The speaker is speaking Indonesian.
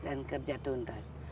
dan kerja tuntas